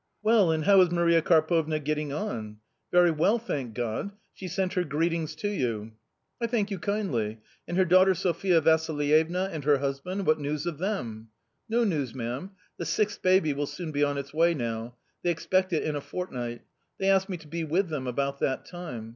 " Well, and how is Maria Karpovna getting on ?"" Very well, thank God ; she sent her greetings to you." " I thank you kindly ; and her daughter Sophia Vassi lievna, and her husband ; what news of them ?"" No news, ma'am ; the sixth baby will soon be on its way now. They expect it in a fortnight. They asked me to be with them about that time.